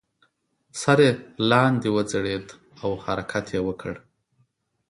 سر یې لاندې وځړید او حرکت یې وکړ.